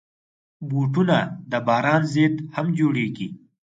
بوټونه د باران ضد هم جوړېږي.